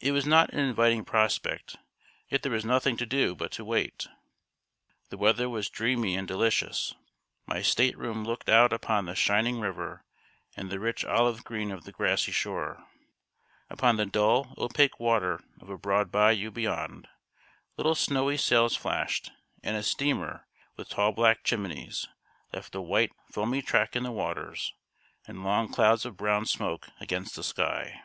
It was not an inviting prospect; yet there was nothing to do but to wait. The weather was dreamy and delicious. My state room looked out upon the shining river, and the rich olive green of the grassy shore. Upon the dull, opaque water of a broad bayou beyond, little snowy sails flashed, and a steamer, with tall black chimneys, left a white, foamy track in the waters, and long clouds of brown smoke against the sky.